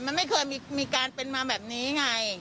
มันไม่เคยมีการเป็นมาแบบนี้ไง